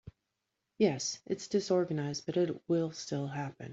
Yes, it’s disorganized but it will still happen.